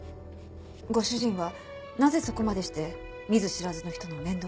ご主人はなぜそこまでして見ず知らずの人の面倒を？